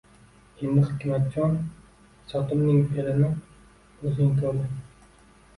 Endi, Hikmatjon, Sotimning feʼlini oʻzing koʻrding.